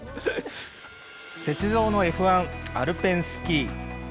雪上のＦ１、アルペンスキー。